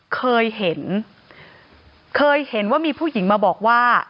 เคยเห็นเคยเห็นว่ามีผู้หญิงมาบอกว่า